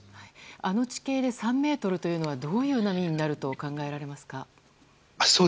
あの地形で３ｍというのはどういう波になると考えられますか？